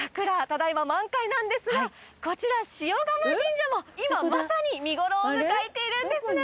ただいま満開なんですがこちら鹽竈神社も今まさに見頃を迎えているんですね